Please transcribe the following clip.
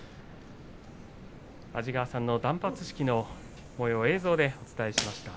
安治川さんの断髪式のもようを映像でお伝えしました。